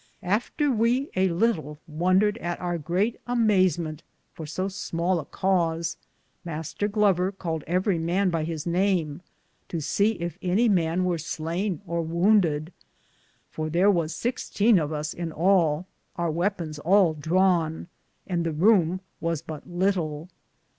After we a litle wondered at our greate amayzmente for so smale a cause, Mr. Glover caled everie man by his name, to se yf any man weare slayne or wounded ; for thare was sixtene of us in all, our weaperns all drawne, and the roume was but litle.